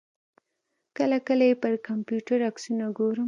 کله کله یې پر کمپیوټر عکسونه ګورم.